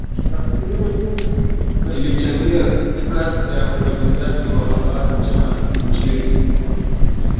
ilichangia kasi ya uenezaji wa habari njema Injili